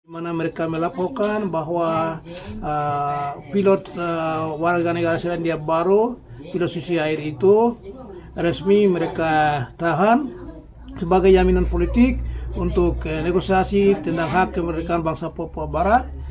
mana mereka melaporkan bahwa pilot warga negara selandia baru pilot susi air itu resmi mereka tahan sebagai jaminan politik untuk negosiasi tentang hak kemerdekaan bangsa papua barat